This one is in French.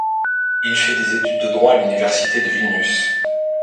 Il fait des études de droit à l'Université de Vilnius.